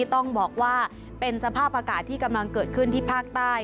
ต้องบอกว่าเป็นสภาพอากาศที่กำลังเกิดขึ้นที่ภาคใต้